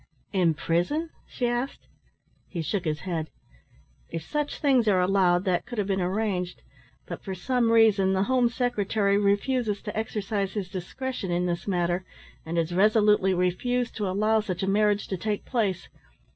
"In prison?" she asked. He shook his head. "If such things are allowed that could have been arranged, but for some reason the Home Secretary refuses to exercise his discretion in this matter, and has resolutely refused to allow such a marriage to take place.